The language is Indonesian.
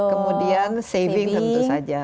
kemudian saving tentu saja